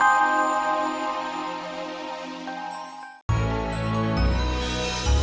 jogja imas datang